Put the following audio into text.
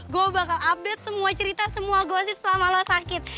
gue bakal update semua cerita semua gosip selama lo sakit